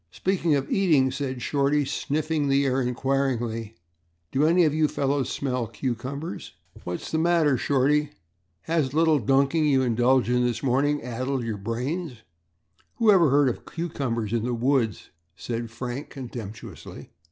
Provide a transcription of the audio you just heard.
"Speaking of eating," said Shorty, sniffing the air inquiringly, "do any of you fellows smell cucumbers?" "What's the matter, Shorty? Has the little ducking you indulged in this morning addled your brains? Whoever heard of cucumbers in the woods?" said Frank contemptuously.